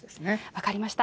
分かりました。